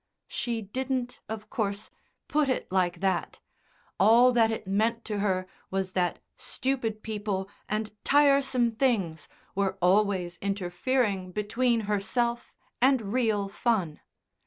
She didn't, of course, put it like that; all that it meant to her was that stupid people and tiresome things were always interfering between herself and real fun.